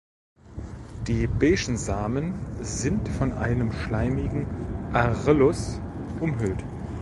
Die beigen Samen sind von einem schleimigen Arillus umhüllt.